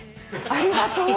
ありがとう。